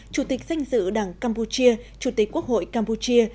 chủ tịch danh dự đảng campuchia chủ tịch quốc hội campuchia